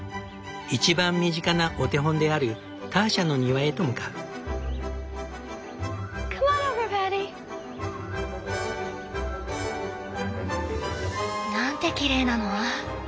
一番身近なお手本であるターシャの庭へと向かう。なんてきれいなの！